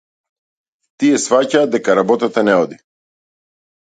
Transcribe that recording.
Тие сфаќаат дека работата не оди.